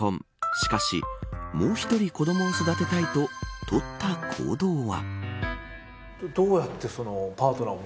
しかし、もう１人子どもを育てたいと、とった行動は。